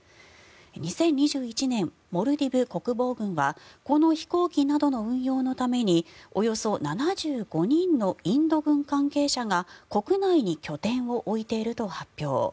２０２１年、モルディブ国防軍はこの飛行機などの運用のためにおよそ７５人のインド軍関係者が国内に拠点を置いていると発表。